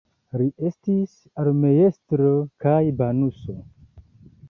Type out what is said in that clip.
Li estis armeestro kaj banuso.